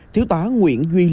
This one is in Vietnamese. thiếu tá nguyễn huy linh